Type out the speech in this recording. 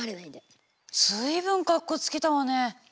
随分かっこつけたわね。